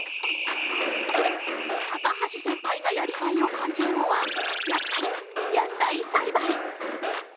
高橋センパイがやりがいを感じるのはやっぱり「野菜栽培」！